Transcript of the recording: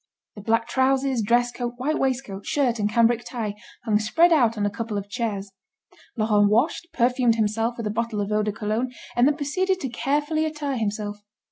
The black trousers, dress coat, white waistcoat, shirt and cambric tie, hung spread out on a couple of chairs. Laurent washed, perfumed himself with a bottle of eau de Cologne, and then proceeded to carefully attire himself.